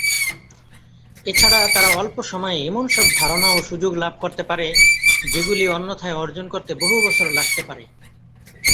এছাড়া তারা অল্প সময়ে এমন সব ধারণা ও সুযোগ লাভ করতে পারে, যেগুলি অন্যথায় অর্জন করতে বহু বছর লাগতে পারে।